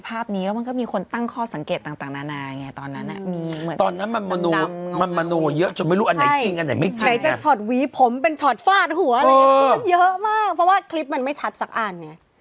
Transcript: มันเยอะมากเพราะว่าคลิปมันไม่ชัดสักอัน